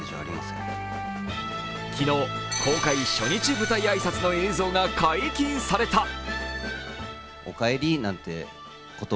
昨日、公開初日舞台挨拶の映像が解禁された。